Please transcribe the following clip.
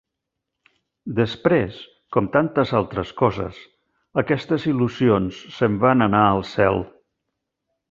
Després, com tantes altres coses, aquestes il·lusions se'n van anar al cel.